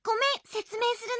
せつめいするね。